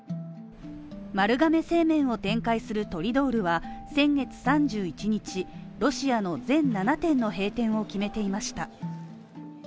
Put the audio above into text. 丸亀製麺を展開するトリドールは先月３１日、ロシアの全７店の閉店を決めていました。